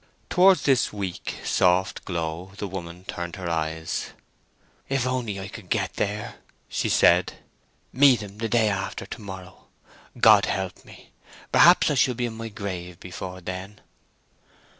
Towards this weak, soft glow the woman turned her eyes. "If I could only get there!" she said. "Meet him the day after to morrow: God help me! Perhaps I shall be in my grave before then."